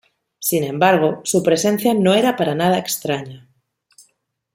Sin embargo, su presencia no era para nada extraña.